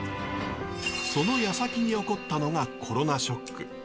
そのやさきに起こったのがコロナショック。